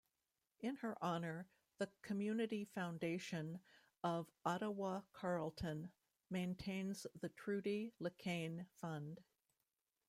In her honour, the Community Foundation of Ottawa-Carleton maintains the Trudi LeCaine Fund.